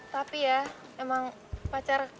tapi ya emang pacar